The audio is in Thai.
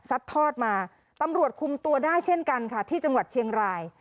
ทอดมาตำรวจคุมตัวได้เช่นกันค่ะที่จังหวัดเชียงราย